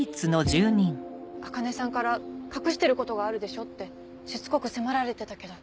あかねさんから「隠してることがあるでしょ？」ってしつこく迫られてたけど。